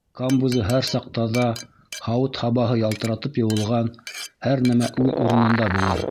Камбузы һәр саҡ таҙа, һауыт-һабаһы ялтыратып йыуылған, һәр нәмә үҙ урынында булыр.